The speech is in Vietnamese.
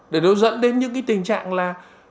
để nó dẫn đến những cái tình trạng là